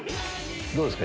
どうですか？